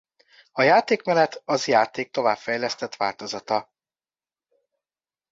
A játékmenet az játék továbbfejlesztett változata.